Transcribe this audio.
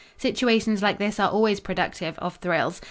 Situations like this are always productive of thrills.